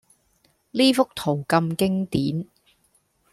呢幅圖咁經典